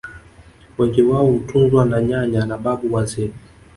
Wengi wao hutunzwa na nyanya na babu wazee